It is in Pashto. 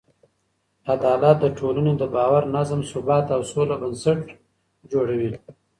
عدالت د ټولنې د باور، نظم، ثبات او سوله بنسټ جوړوي.